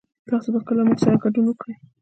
تاسو به کله موږ سره ګډون وکړئ